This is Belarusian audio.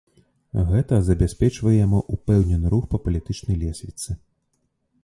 Гэта забяспечвае яму ўпэўнены рух па палітычнай лесвіцы.